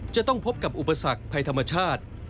จะต้องพบกับอุปสรรคภัยธรรมชาติ